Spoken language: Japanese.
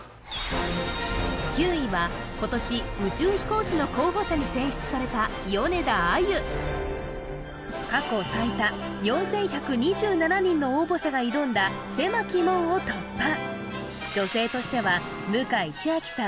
今年宇宙飛行士の候補者に選出された過去最多４１２７人の応募者が挑んだ狭き門を突破向井千秋さん